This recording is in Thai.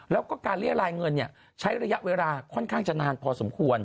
แล้วก็การเรียรายเงินใช้ระยะเวลาค่อนข้างจะนานพอสมควร